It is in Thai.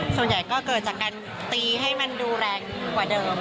ส่วนใหญ่ก็เกิดจากการตีให้มันดูแรงกว่าเดิม